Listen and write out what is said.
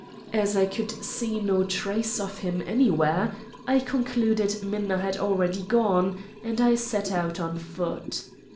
As I could see no trace of him anywhere, I concluded Minna had already gone, and I set out on foot.